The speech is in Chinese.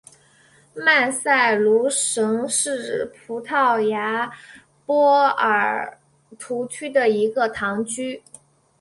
曼塞卢什是葡萄牙波尔图区的一个堂区。